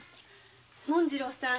紋次郎さん